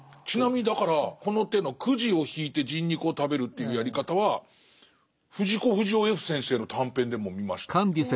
ちなみにだからこの手のくじを引いて人肉を食べるというやり方は藤子不二雄Ｆ先生の短編でも見ました。